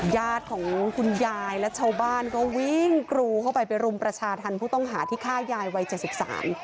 ญาติของคุณยายและชาวบ้านก็วิ่งกรูเข้าไปไปรุมประชาธรรมผู้ต้องหาที่ฆ่ายายวัยเจ็ดสิบสาม